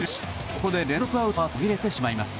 ここで連続アウトは途切れてしまいます。